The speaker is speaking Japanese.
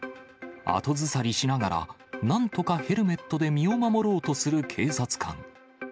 後ずさりしながら、なんとかヘルメットで身を守ろうとする警察官。